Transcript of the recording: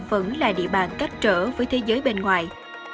vẫn là địa bàn cách trở với thế giới bên ngoài